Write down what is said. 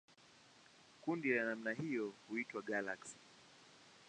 Kundi la namna hiyo huitwa galaksi.